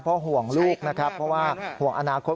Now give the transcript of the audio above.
เพราะห่วงลูกนะครับเพราะว่าห่วงอนาคต